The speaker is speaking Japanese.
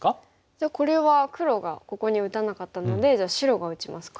じゃあこれは黒がここに打たなかったので白が打ちますか。